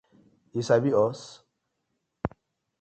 Yu sabi us?